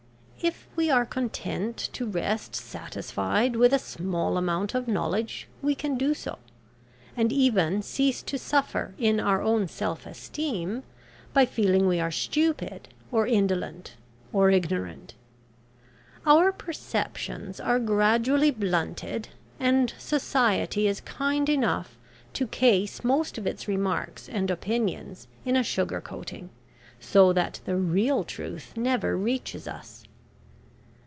If we are content to rest satisfied with a small amount of knowledge we can do so, and even cease to suffer in our own self esteem by feeling we are stupid, or indolent, or ignorant. Our perceptions are gradually blunted, and society is kind enough to case most of its remarks and opinions in a sugar coating, so that the real truth never reaches us.